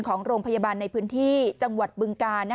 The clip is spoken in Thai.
ของโรงพยาบาลในพื้นที่จังหวัดบึงกา